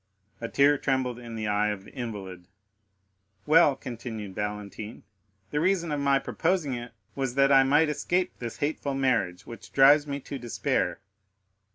A tear trembled in the eye of the invalid. "Well," continued Valentine, "the reason of my proposing it was that I might escape this hateful marriage, which drives me to despair."